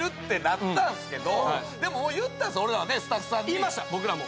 言いました僕らも。